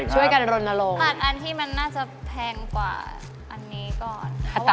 ช่วยกันรณรงค์ผ่านอันที่มันน่าจะแพงกว่าอันนี้ก่อน